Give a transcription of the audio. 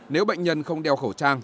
nếu bệnh nhân không đeo khẩu trang